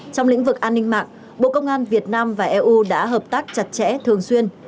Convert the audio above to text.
trong lĩnh vực an ninh mạng bộ công an việt nam và eu đã hợp tác chặt chẽ thường xuyên